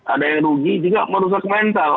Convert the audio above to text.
ada yang rugi juga merusak mental